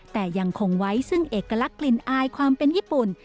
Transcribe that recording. แต่ยังคงไว้ซึ่งเอกลักษณ์กลิ่นอายความเป็นญี่ปุ่น